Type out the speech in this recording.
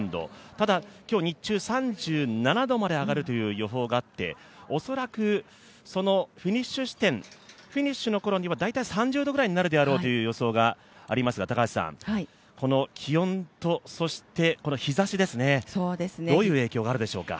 ただ、今日、日中、３７度まで上がるという予報があって、恐らく、そのフィニッシュ地点フィニッシュのころには、大体３０度ぐらいになるであろうという予想がありますが、この気温と日ざし、どういう影響があるでしょうか？